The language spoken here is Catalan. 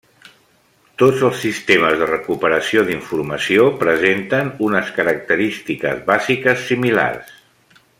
Tots els Sistemes de recuperació d'informació presenten unes característiques bàsiques similars.